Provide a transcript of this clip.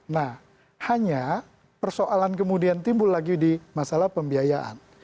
nah hanya persoalan kemudian timbul lagi di masalah pembiayaan